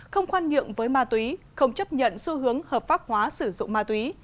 không khoan nhượng với ma túy không chấp nhận xu hướng hợp pháp hóa sử dụng ma túy